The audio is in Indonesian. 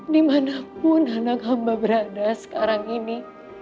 dimanapun anak hamba berada sekarang ini